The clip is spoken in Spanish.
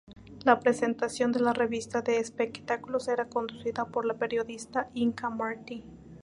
La presentación de la revista de espectáculos era conducida por la periodista Inka Martí.